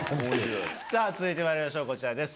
さぁ続いてまいりましょうこちらです。